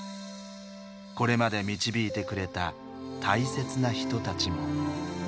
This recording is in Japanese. これまで導いてくれた大切な人たちも。